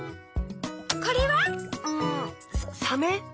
これは？んサメ？